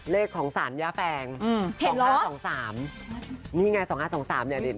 เลขของสารย่าแฟงอืมเห็นเหรอสองสามนี่ไงสองห้าสองสามเนี้ย